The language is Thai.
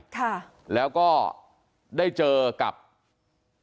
กลุ่มตัวเชียงใหม่